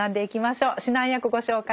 指南役ご紹介します。